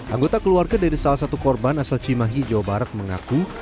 anggota keluarga dari salah satu korban asal cimahi jawa barat mengaku